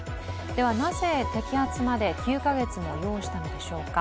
ではなぜ、摘発まで９か月も要したのでしょうか。